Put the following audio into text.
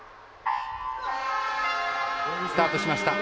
スタートしました。